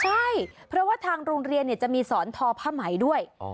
ใช่เพราะว่าทางโรงเรียนจะมีสอนทอผ้าไหมด้วย